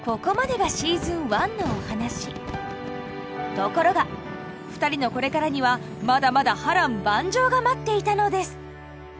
ところが２人のこれからにはまだまだ波乱万丈が待っていたのです。